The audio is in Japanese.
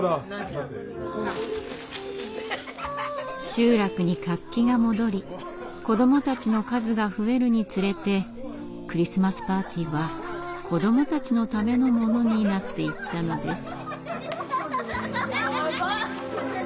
集落に活気が戻り子どもたちの数が増えるにつれてクリスマスパーティーは子どもたちのためのものになっていったのです。